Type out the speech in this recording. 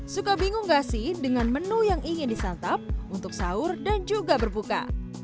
suka bingung gak sih dengan menu yang ingin disantap untuk sahur dan juga berbuka